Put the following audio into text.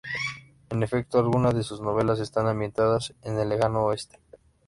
En efecto, algunas de sus novelas están ambientadas en el lejano oeste.